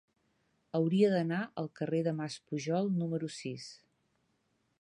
Hauria d'anar al carrer del Mas Pujol número sis.